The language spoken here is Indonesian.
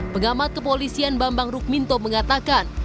pengamat kepolisian bambang rukminto mengatakan